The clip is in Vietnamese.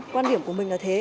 quan điểm của mình là thế